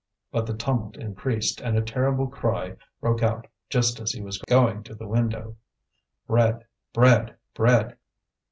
But the tumult increased, and a terrible cry broke out just as he was going to the window: "Bread! bread! bread!"